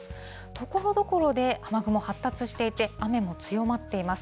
ところどころで雨雲発達していて、雨も強まっています。